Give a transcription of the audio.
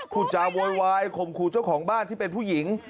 พูดจาโวยวายข่มขู่เจ้าของบ้านที่เป็นผู้หญิง